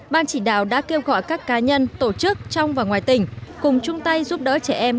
ban chỉ đạo đã kêu gọi các cá nhân tổ chức trong và ngoài tỉnh cùng chung tay giúp đỡ trẻ em